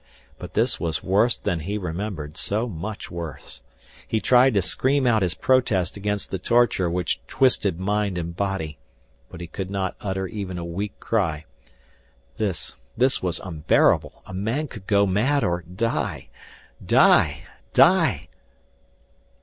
But this was worse than he remembered, so much worse. He tried to scream out his protest against the torture which twisted mind and body, but he could not utter even a weak cry. This, this was unbearable a man could go mad or die die die....